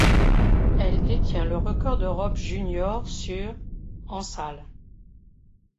Elle détient le record d'Europe junior sur en salle.